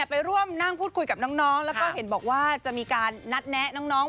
ไปร่วมนั่งพูดคุยกับน้องแล้วก็เห็นบอกว่าจะมีการนัดแนะน้อง